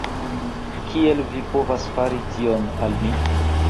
Kiel vi povas fari tion al mi?